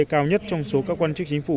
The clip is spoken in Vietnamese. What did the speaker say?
cao nhất trong số các quan chức chính phủ